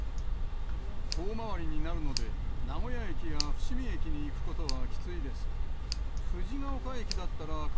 遠回りになるので、名古屋駅や伏見駅に行くことはきついです。